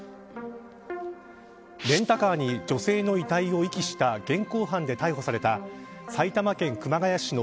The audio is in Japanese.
レンタカーに女性の遺体を遺棄した現行犯で逮捕された埼玉県熊谷市の